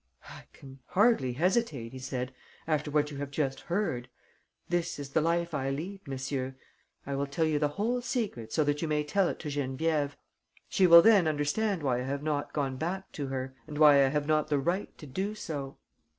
"I can hardly hesitate," he said, "after what you have just heard. This is the life I lead, monsieur. I will tell you the whole secret, so that you may tell it to Geneviève. She will then understand why I have not gone back to her ... and why I have not the right to do so."